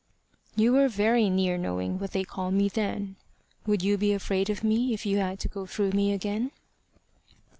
"You were very near knowing what they call me then. Would you be afraid of me if you had to go through me again?"